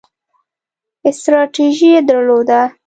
ستراتیژي یې درلوده.